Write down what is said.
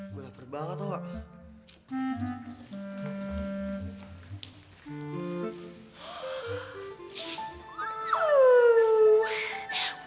gue lapar banget wak